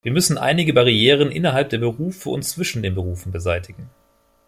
Wir müssen einige Barrieren innerhalb der Berufe und zwischen den Berufen beseitigen.